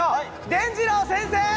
でんじろう先生！